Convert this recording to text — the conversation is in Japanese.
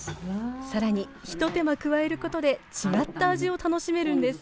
更にひと手間加えることで違った味を楽しめるんです。